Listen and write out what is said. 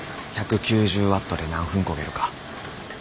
１９０ワットで何分こげるか。